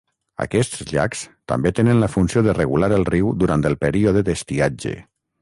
Aquests llacs també tenen la funció de regular el riu durant el període d'estiatge.